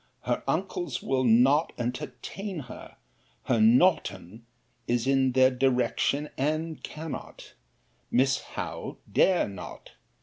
Her uncles will not entertain her. Her Norton is in their direction, and cannot. Miss Howe dare not.